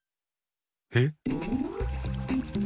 えっ？